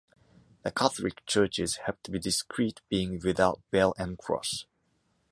The catholic churches have to be discrete being without bell and cross.